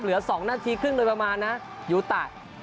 เหลือ๒นาทีครึ่งโดยประมาณนะยูตะ